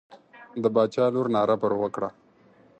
د باچا لور ناره پر وکړه.